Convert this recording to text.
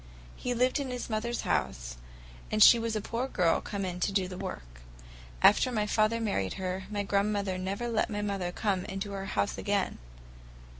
He lived in his mother's house, and she was a poor girl come in to do the work. After my father married her, my grandmother never let my mother come into her house again.